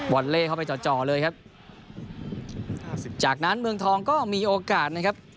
อลเล่เข้าไปจ่อจ่อเลยครับจากนั้นเมืองทองก็มีโอกาสนะครับ